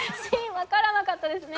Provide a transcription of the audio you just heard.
分からなかったですね